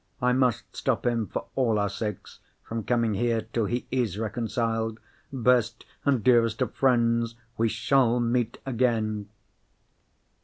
I must stop him, for all our sakes, from coming here till he is reconciled. Best and dearest of friends, we shall meet again!"